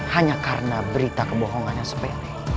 hanya karena berita kebohongan yang sepele